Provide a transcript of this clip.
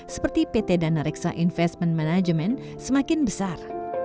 seperti pt dana reksa investment management semakin besar